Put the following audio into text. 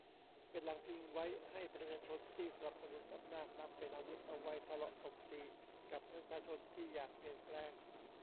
เป็นหลังพิงไว้ให้ประชาชนที่สนับสนุนอำนาจนำ เป็นอาวุธเอาไว้ทะเลาะตบตีกับประชาชนที่อยากเปลี่ยนแปลง